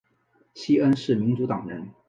西恩是民主党人。